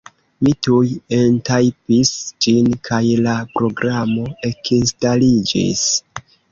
Mi tuj entajpis ĝin, kaj la programo ekinstaliĝis.